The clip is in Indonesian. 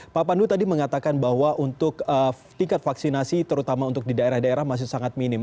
pak pandu tadi mengatakan bahwa untuk tingkat vaksinasi terutama untuk di daerah daerah masih sangat minim